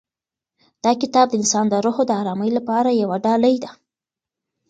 دا کتاب د انسان د روح د ارامۍ لپاره یوه ډالۍ ده.